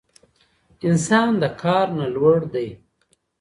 انسان د کار نه لوړ دی.